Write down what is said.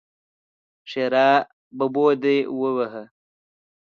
ښېرا: ببو دې ووهه!